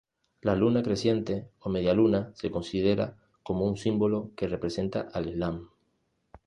La luna creciente o medialuna se considera como un símbolo que representa al Islam.